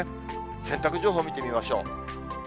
洗濯情報見てみましょう。